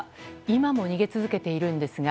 今も逃げ続けているんですが。